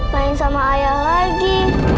main sama ayah lagi